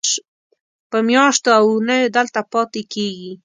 په میاشتو او اوونیو دلته پاتې کېږي.